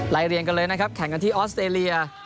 เรียนกันเลยนะครับแข่งกันที่ออสเตรเลีย